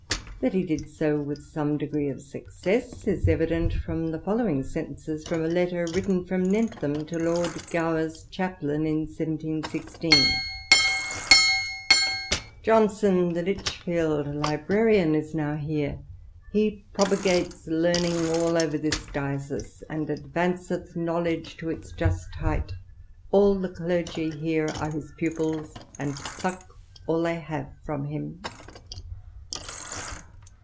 That he did so with some d^ree of success is evident from the following sentence firom a letter written from Nentham to Lord Gower*s chaplain in 17 16: — "Johnson, the Lichfield librarian, is now here ; he propagates learning all over this diocese, and advanceth knowledge to its just height ; all the clergy here are his pupils, and suck all they have from him."